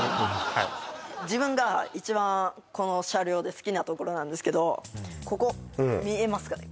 はい自分が一番この車両で好きなところなんですけどここ見えますかね？